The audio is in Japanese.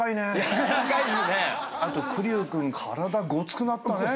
あと玖生君体ごつくなったね。